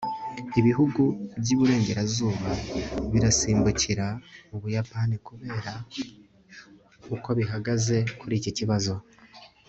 ibihugu by'iburengerazuba birasimbukira mu buyapani kubera uko bihagaze kuri iki kibazo